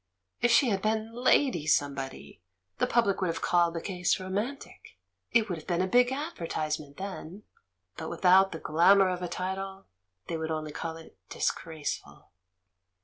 If she had been "Lady" somebody the public would have called the case "romantic" — it would have been a big advertisement then — but without the glamour of a title they would only call it "dis graceful."